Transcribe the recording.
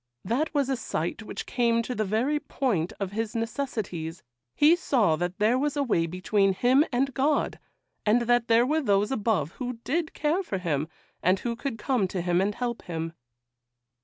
That was a sight which came to the very point of his necessities; he saw that there was a way between him and God, and that there were those above who did care for him, and who could come to him to help him.